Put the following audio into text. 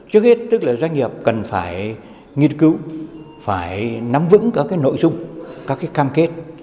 trước hết tức là doanh nghiệp cần phải nghiên cứu phải nắm vững các cái nội dung các cái can kết